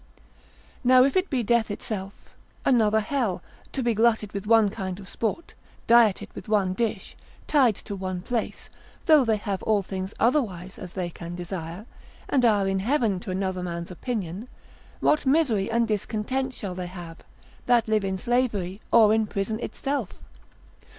Now if it be death itself, another hell, to be glutted with one kind of sport, dieted with one dish, tied to one place; though they have all things otherwise as they can desire, and are in heaven to another man's opinion, what misery and discontent shall they have, that live in slavery, or in prison itself?